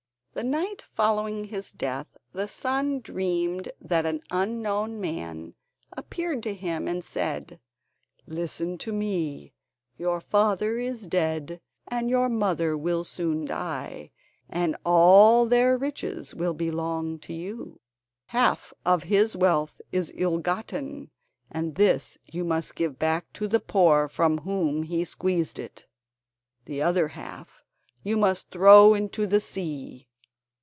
The night following his death, the son dreamed that an unknown man appeared to him and said: "Listen to me; your father is dead and your mother will soon die, and all their riches will belong to you. Half of his wealth is ill gotten, and this you must give back to the poor from whom he squeezed it. The other half you must throw into the sea.